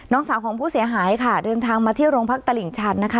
น้องสาวของผู้เสียหายค่ะเดินทางมาที่โรงพักตลิ่งชันนะคะ